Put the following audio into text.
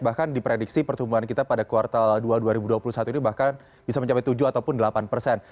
bahkan diprediksi pertumbuhan kita pada kuartal dua dua ribu dua puluh satu ini bahkan bisa mencapai tujuh ataupun delapan persen